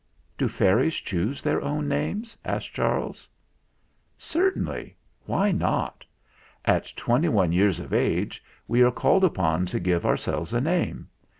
"Do fairies choose their own names?" asked Charles. "Certainly. Why not? At twenty one years of age we are called upon to give our selves a name.